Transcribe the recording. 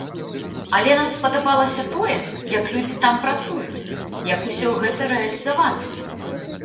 Але нам спадабалася тое, як людзі там працуюць, як усё гэта рэалізавана!